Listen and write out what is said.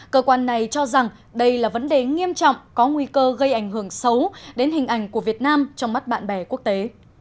cơ quan này cho rằng đây là vấn đề nghiêm trọng có nguy cơ gây ảnh hưởng xấu đến hình ảnh của việt nam trong mắt bạn bè quốc tế